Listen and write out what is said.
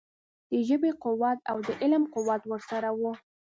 د ژبې قوت او د علم قوت ورسره وو.